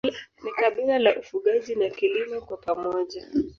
Ni kabila la ufugaji na kilimo kwa pamoja.